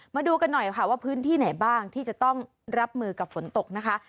มาดูกันหน่อยค่ะว่าพื้นที่ไหนบ้างที่จะต้องรับมือกับฝนตกนะคะ